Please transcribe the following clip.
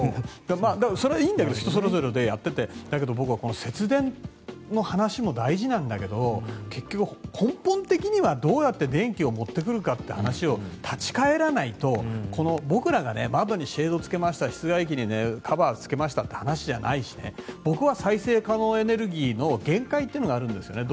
それはいいんだけど人それぞれでやっていてただ、僕はこの節電の話も大事なんだけど結局根本的にはどうやって電気を持ってくるかという話に立ち返らないと僕らが窓にシェードをつけました室外機にカバーをつけたという話じゃないし再生可能エネルギーの限界というのがあるんですよね。